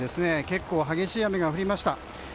結構、激しい雨が降りました。